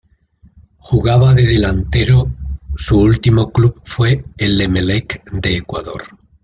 Jugaba de delantero, su último club fue el Emelec de Ecuador.